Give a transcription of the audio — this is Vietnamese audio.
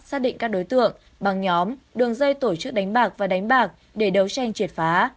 xác định các đối tượng bằng nhóm đường dây tổ chức đánh bạc và đánh bạc để đấu tranh triệt phá